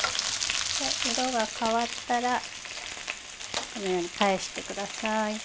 色が変わったらこのように返してください。